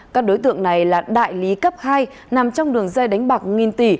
các đối tượng này là đại lý cấp hai nằm trong đường dây đánh bạc nghìn tỷ